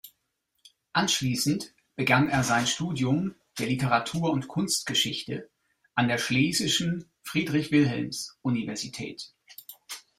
Anschließend begann er sein Studium der Literatur- und Kunstgeschichte an der Schlesischen Friedrich-Wilhelms-Universität.